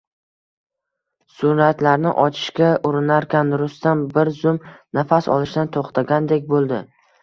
Suratlarni ochishga urinarkan, Rustam bir zum nafas olishdan to`xtagandek bo`ldi